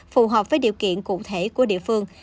phù hợp với điều kiện cụ thể của địa phương